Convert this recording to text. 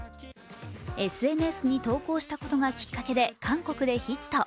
ＳＮＳに投稿したことがきっかけで韓国でヒット。